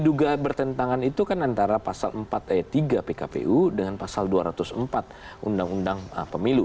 juga bertentangan itu kan antara pasal empat ayat tiga pkpu dengan pasal dua ratus empat undang undang pemilu